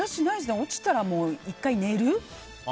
落ちたら１回寝る。